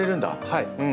はい。